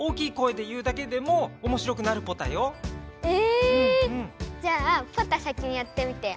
えっ⁉じゃあポタ先にやってみてよ。